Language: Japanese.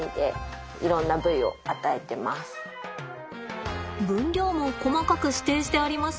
分量も細かく指定してありますね。